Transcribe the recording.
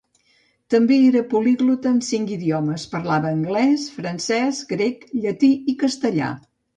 També era poliglota amb cinc idiomes: parlava anglès, francès, grec, llatí i castellà.